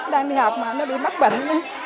đang đi học mà nó bị mắc bệnh